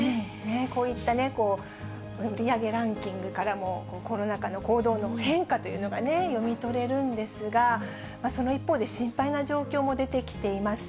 こういった売り上げランキングからも、コロナ禍の行動の変化というのが読み取れるんですが、その一方で、心配な状況も出てきています。